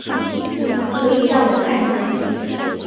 可以让我看见